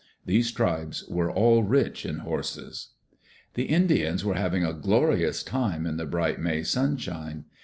These tribes were all rich in horses. The Indians were having a glorious time in the bright May sunshine.